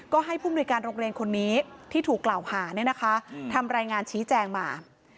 ก็ให้ผู้มนุยการโรงเรียนคนนี้ที่ถูกกล่าวหาทำรายงานชี้แจงมา